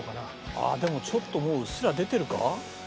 あっでもちょっともううっすら出てるか？